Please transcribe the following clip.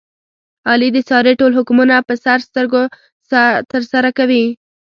علي د سارې ټول حکمونه په سر سترګو ترسره کوي.